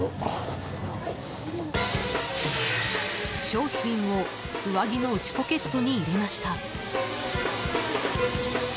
商品を上着の内ポケットに入れました。